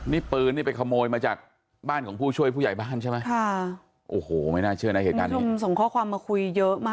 นี่ปืนนี่ไปขโมยมาจากบ้านของผู้ช่วยผู้ใหญ่บ้านใช่ไหม